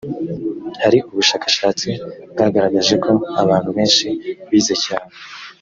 hari ubushakashatsi bwagaragaje ko abantu benshi bize cyane